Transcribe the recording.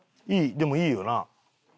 でもいいよな。